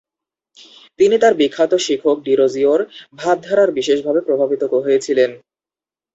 তিনি বিখ্যাত শিক্ষক ডিরোজিওর ভাবধারার বিশেষভাবে প্রভাবিত হয়েছিলেন।